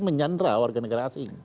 menyandera warga negara asing